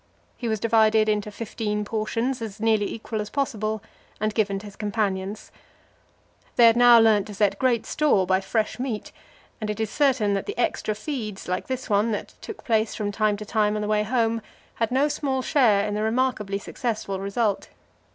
He was divided into fifteen portions, as nearly equal as possible, and given to his companions. They had now learnt to set great store by fresh meat, and it is certain that the extra feeds, like this one, that took place from time to time on the way home, had no small share in the remarkably successful result.